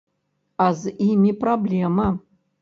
А з імі праблема.